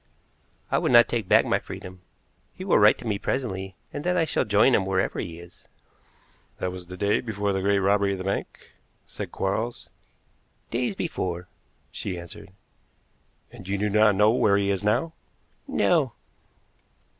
I would not take back my freedom. He will write to me presently, and then I shall join him wherever he is." "That was before the great robbery of the bank," said Quarles. "Days before," she answered. "And you do not know where he is now?" "No."